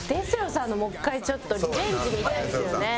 さんのもう１回ちょっとリベンジ見たいですよね。